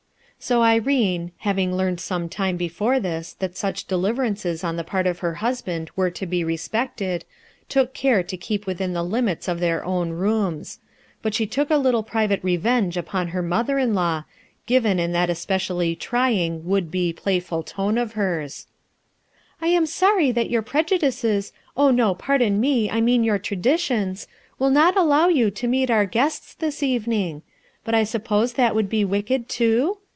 So Irene, having learned some time before this that such deliverances on the part of her hus band were to be respected, took care to keep within the limits of their own rooms. But she took a little private revenge upon her mother in law, given in that especially trying would be playful tone of hers. ISS RUTH ERSKINE'S SON "I am sorry that your prejudices , Pardon me, I mean yoU r traditions^' allow you to moot our guests tin, eve J^ suppose that would be wicked, too